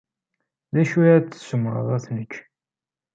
D acu ara d-tessumreḍ ad t-nečč?